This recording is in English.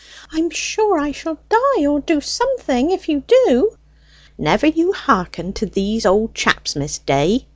"I am sure I shall die, or do something, if you do!" "Never you hearken to these old chaps, Miss Day!"